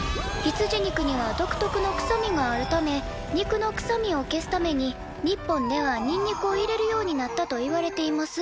羊肉には独特のくさみがあるため肉のくさみを消すために日本ではにんにくを入れるようになったといわれています」。